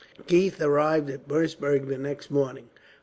Keith arrived at Merseburg the next morning.